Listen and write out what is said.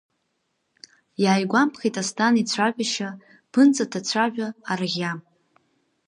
Иааигәамԥхеит Асҭан ицәажәашьа ԥынҵаҭацәажәа-Арӷьа.